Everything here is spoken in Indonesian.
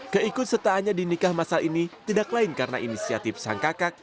keikut sertaannya di nikah masal ini tidak lain karena inisiatif sang kakak